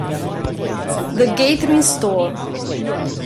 The Gathering Storm